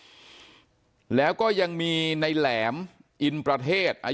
ที่เกิดเกิดเหตุอยู่หมู่๖บ้านน้ำผู้ตะมนต์ทุ่งโพนะครับที่เกิดเกิดเหตุอยู่หมู่๖บ้านน้ำผู้ตะมนต์ทุ่งโพนะครับ